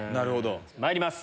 まいります